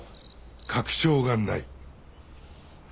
確証がない。